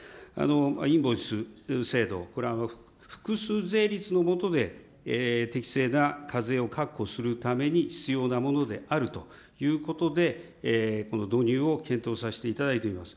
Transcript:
インボイス制度、これ、複数税率の下で適正な課税を確保するために必要なものであるということで、この導入を検討させていただいています。